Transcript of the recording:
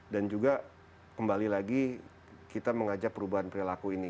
dan juga kembali lagi kita mengajak perubahan perilaku ini